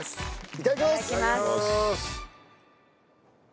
いただきます！